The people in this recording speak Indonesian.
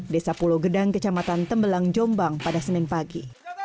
desa pulau gedang kecamatan tembelang jombang pada senin pagi